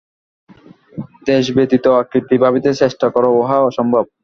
দেশব্যতীত আকৃতি ভাবিতে চেষ্টা কর, উহা অসম্ভব।